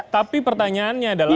tapi pertanyaannya adalah